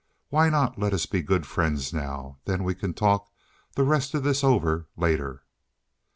Why not let us be good friends now? Then we can talk the rest of this over later."